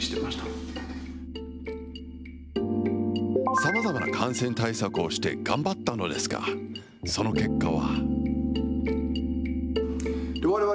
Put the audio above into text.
さまざまな感染対策をして頑張ったのですが、その結果は。